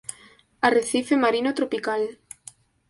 Arrecife marino tropical.